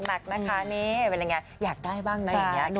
หนักนะคะนี่เป็นยังไงอยากได้บ้างนะอย่างนี้